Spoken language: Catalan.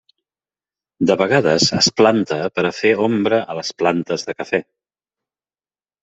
De vegades es planta per a fer ombra a les plantes de cafè.